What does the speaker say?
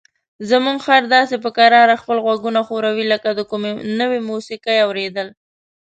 زموږ خر داسې په کراره خپل غوږونه ښوروي لکه د کومې نوې موسیقۍ اوریدل.